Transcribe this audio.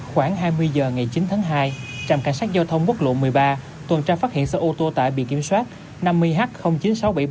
khoảng hai mươi h ngày chín tháng hai trạm cảnh sát giao thông quốc lộ một mươi ba tuần tra phát hiện xe ô tô tải bị kiểm soát năm mươi h chín nghìn sáu trăm bảy mươi ba